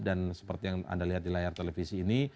dan seperti yang anda lihat di layar televisi ini